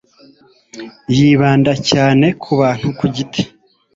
yibanda cyane ku bantu ku giti